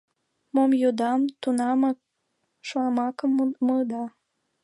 — Мом йодам, тунамак шомакым муыда...